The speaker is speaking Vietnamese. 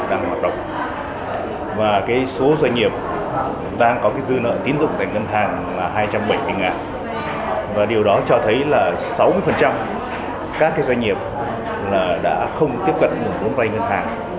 đang hoạt động và cái số doanh nghiệp đang có cái dư nợ tiến dụng tại ngân hàng là hai trăm bảy mươi và điều đó cho thấy là sáu mươi các doanh nghiệp đã không tiếp cận nguồn vốn vay ngân hàng